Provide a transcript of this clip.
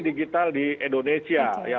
digital di indonesia ya